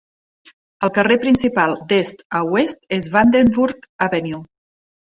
El carrer principal d'est a oest és Vanderburg Avenue.